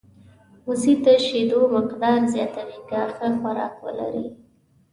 وزې د شیدو مقدار زیاتوي که ښه خوراک ولري